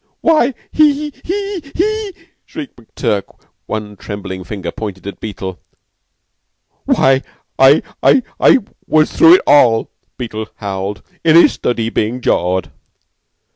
"Why, he he he," shrieked McTurk, one trembling finger pointed at Beetle. "Why, I I I was through it all," Beetle howled; "in his study, being jawed."